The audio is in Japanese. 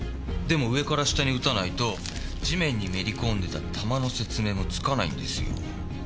でも上から下に撃たないと地面にめり込んでた弾の説明もつかないんですよ。